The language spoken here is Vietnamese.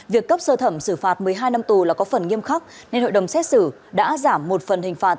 việc cấp sơ thẩm xử phạt một mươi hai năm tù là có phần nghiêm khắc nên hội đồng xét xử đã giảm một phần hình phạt